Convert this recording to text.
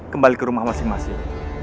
kembali ke rumah masing masing